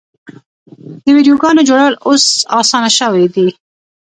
د ویډیوګانو جوړول اوس اسانه شوي دي.